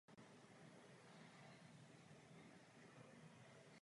Jednoduchá vazba je tedy druhem kovalentní vazby.